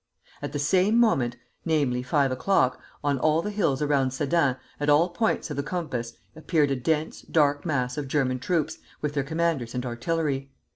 "At the same moment, namely, five o'clock, on all the hills around Sedan, at all points of the compass, appeared a dense, dark mass of German troops, with their commanders and artillery.